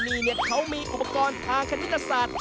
นี่เขามีอุปกรณ์ทางคณิตศาสตร์